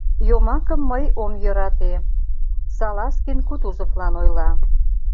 — Йомакым мый ом йӧрате, — Салазкин Кутузовлан ойла.